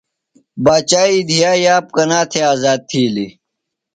باچائی دیہہ یاب کنا تھےۡ آزاد تِھیلیۡ؟